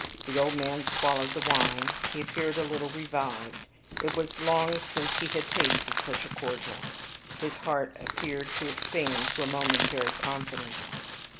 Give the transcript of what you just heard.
The old man swallowed the wine. He appeared a little revived; it was long since he had tasted such a cordial, his heart appeared to expand to a momentary confidence.